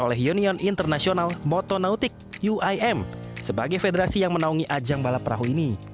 oleh union international motonautic uim sebagai federasi yang menaungi ajang balap perahu ini